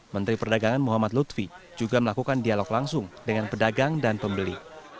menteri perdagangan muhammad lutfi juga melakukan dialog langsung dengan pedagang dan pembeli